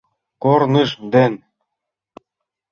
Корныж ден